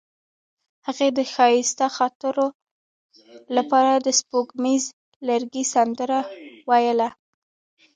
هغې د ښایسته خاطرو لپاره د سپوږمیز لرګی سندره ویله.